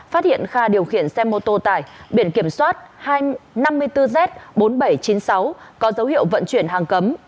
phát hiện kha điều khiển xe mô tô tải biển kiểm soát năm mươi bốn z bốn nghìn bảy trăm chín mươi sáu có dấu hiệu vận chuyển hàng cấm